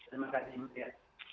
terima kasih mbak priya